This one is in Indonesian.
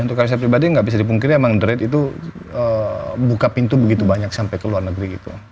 tapi emang gak bisa dipungkiri emang the rate itu buka pintu begitu banyak sampai ke luar negeri gitu